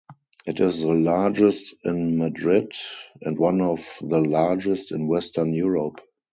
It is the largest in Madrid and one of the largest in Western Europe.